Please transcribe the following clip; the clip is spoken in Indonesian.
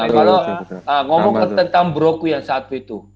kalau ngomong tentang broku yang satu itu